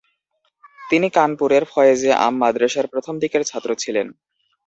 তিনি কানপুরের ফয়েজে আম মাদ্রাসার প্রথম দিকের ছাত্র ছিলেন।